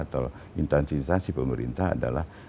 atau intensivitas pemerintah adalah